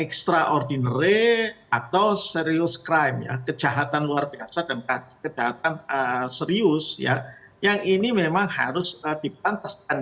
extraordinary atau serials crime ya kejahatan luar biasa dan kejahatan serius ya yang ini memang harus dipantaskan